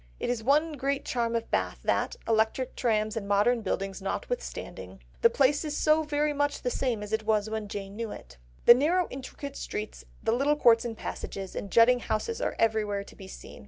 It is one great charm of Bath that, electric trams and modern buildings notwithstanding, the place is so very much the same as it was when Jane knew it. The narrow intricate streets, the little courts and passages, and jutting houses are everywhere to be seen.